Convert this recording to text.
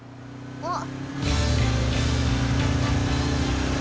あっ。